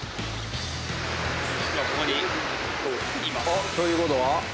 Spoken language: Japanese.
あっということは？